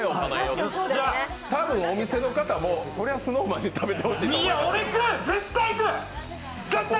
多分、お店の方もそりゃＳｎｏｗＭａｎに食べてほしいと。